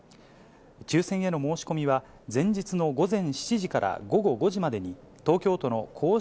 抽せんへの申し込みは、前日の午前７時から午後５時までに、東京都の公式